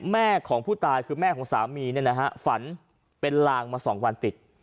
แม่ของผู้ตายคือแม่ของสามีฝันเป็นลางมา๒วันติด